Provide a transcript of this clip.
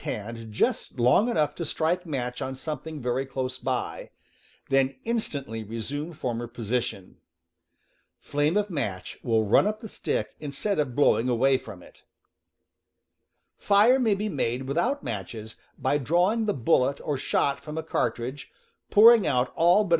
hand just long enough to strike match +Ti "W H ^^ something very close by; then in stantly resume former position. Flame of match will run up the stick, instead of blowing away from it. Fire may be made without matches by drawing the bullet or shot from a cartridge, pouring out all but ^